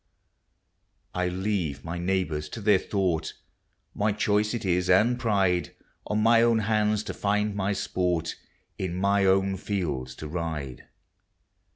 I leave my neighbors to their thought; My choice it is, and pride. On my own lands to find my sport, In my own fields to ride.